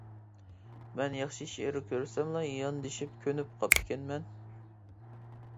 مەن ياخشى شېئىر كۆرسەملا ياندىشىپ كۆنۈپ قاپتىكەنمەن.